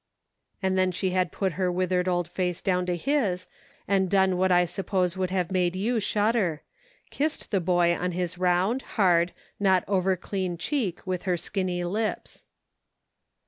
And then she had put her withered old face down to his, and done what I suppose would have made you shudder : kissed the boy on his round, hard, not overclean cheek with her skinny lips.